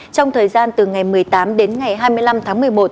trong thời gian từ ngày một mươi tám đến ngày hai mươi năm tháng một mươi một